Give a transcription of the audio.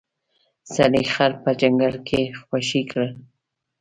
سړي خر په ځنګل کې خوشې کړ.